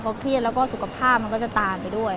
เขาเครียดแล้วก็สุขภาพมันก็จะตามไปด้วย